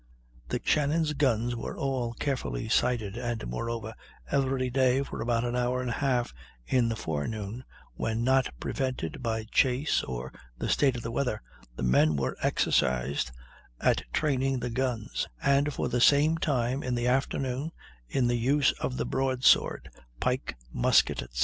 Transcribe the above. The Shannon's guns were all carefully sighted, and, moreover, "every day, for about an hour and a half in the forenoon, when not prevented by chase or the state of the weather, the men were exercised at training the guns, and for the same time in the afternoon in the use of the broadsword, pike, musket, etc.